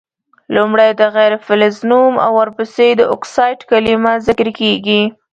لومړی د غیر فلز نوم او ورپسي د اکسایډ کلمه ذکر کیږي.